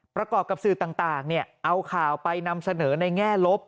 ประกอบกับสื่อต่างเอาข่าวไปนำเสนอในแง่ลบ